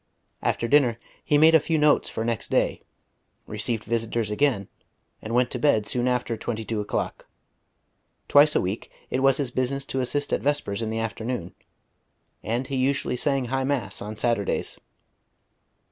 After dinner he made a few notes for next day, received visitors again, and went to bed soon after twenty two o'clock. Twice a week it was his business to assist at Vespers in the afternoon, and he usually sang high mass on Saturdays.